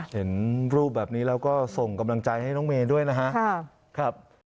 เห็นรูปแบบนี้แล้วก็ส่งกำลังใจให้น้องเมย์ด้วยนะครับ